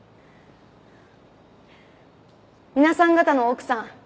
皆さん方の奥さん